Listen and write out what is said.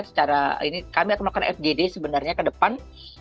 secara ini kami akan melakukan fgd sebenarnya ke depan